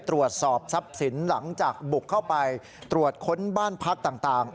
ตรวจสอบทรัพย์สินหลังจากบุกเข้าไปตรวจค้นบ้านพักต่าง